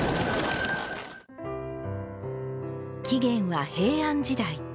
起源は、平安時代。